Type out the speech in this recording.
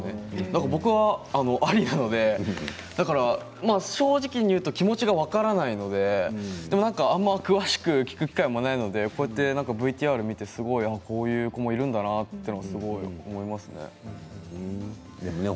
だから僕は、ありなので正直に言うと気持ちが分からないのででもなんかあまり詳しく聞く機会もないのでこうやってＶＴＲを見てこういう子もいるんだなとすごい思いますね。